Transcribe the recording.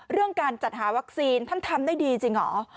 เรื่องการจัดหาวัคซีนท่านทำได้ดีจริงเหรอ